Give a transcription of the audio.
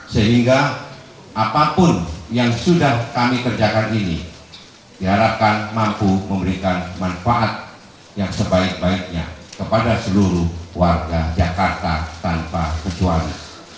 sehingga apapun yang sudah kami kerjakan ini diharapkan mampu memberikan manfaat yang sebaik baiknya kepada seluruh warga jakarta tanpa kecuali